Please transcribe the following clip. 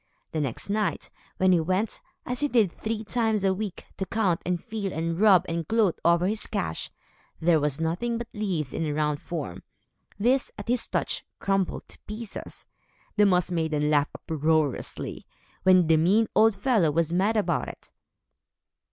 The next night, when he went, as he did three times a week, to count, and feel, and rub, and gloat, over his cash, there was nothing but leaves in a round form. These, at his touch, crumbled to pieces. The Moss Maidens laughed uproariously, when the mean old fellow was mad about it.